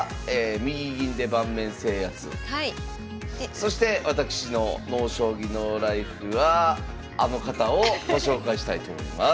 そして私の「ＮＯ将棋ＮＯＬＩＦＥ」はあの方をご紹介したいと思います。